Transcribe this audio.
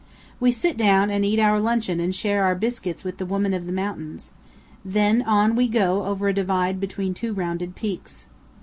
We sit down and eat our luncheon and share our biscuits with the woman of the mountains; then on we go over a divide between two rounded peaks.